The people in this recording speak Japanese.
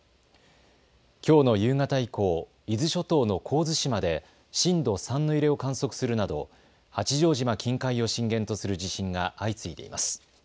きょうの夕方以降、伊豆諸島の神津島で震度３の揺れを観測するなど八丈島近海を震源とする地震が相次いでいます。